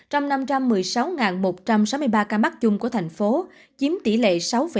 trong năm trăm một mươi sáu một trăm sáu mươi ba ca mắc chung của thành phố chiếm tỷ lệ sáu